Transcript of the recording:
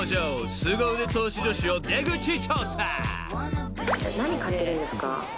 すご腕投資女子を出口調査］